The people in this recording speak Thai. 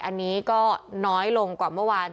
อันนี้ก็น้อยลงกว่าเมื่อวาน